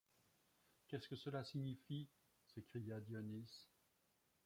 Qu’est-ce que cela signifie? s’écria Dionis.